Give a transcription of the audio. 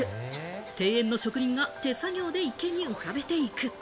庭園の職人が手作業で池に浮かべていく。